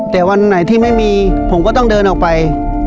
แต่วันไหนที่ไม่มีผมก็ต้องเดินออกไป